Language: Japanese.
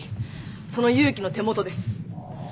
その祐樹の手元です。